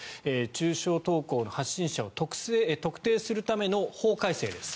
中傷投稿の発信者を特定するための法改正です。